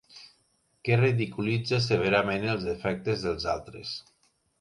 Que ridiculitza severament els defectes dels altres.